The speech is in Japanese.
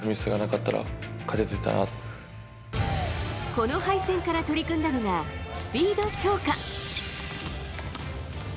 この敗戦から取り組んだのがスピード強化。